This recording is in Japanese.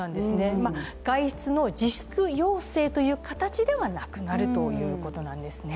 外出の自粛要請という形ではなくなるということなんですね。